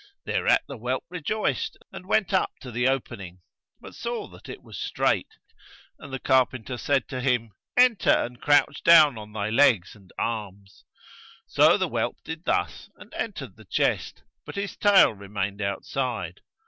Thereat the whelp rejoiced and went up to the opening, but saw that it was strait; and the carpenter said to him, 'Enter and crouch down on thy legs and arms!' So the whelp did thus and entered the chest, but his tail remained outside.